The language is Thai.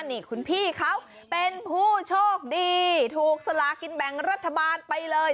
นี่คุณพี่เขาเป็นผู้โชคดีถูกสลากินแบ่งรัฐบาลไปเลย